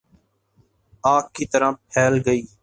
آگ کی طرح پھیل گئی